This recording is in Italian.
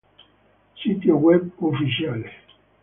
Sito web ufficiale